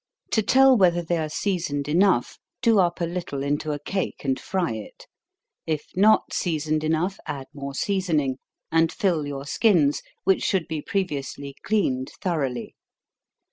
To tell whether they are seasoned enough, do up a little into a cake, and fry it. If not seasoned enough, add more seasoning, and fill your skins, which should be previously cleaned thoroughly.